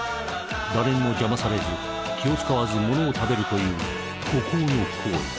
誰にも邪魔されず気を遣わずものを食べるという孤高の行為。